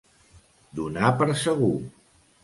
Donar per segur.